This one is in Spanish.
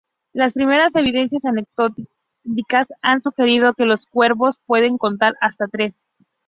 Las primeras evidencias anecdóticas han sugerido que los cuervos pueden contar hasta tres.